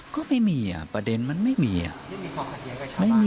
ก็ไม่มีประเด็นมันไม่มีไม่มี